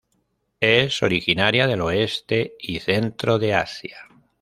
Es originaria del oeste y centro de Asia.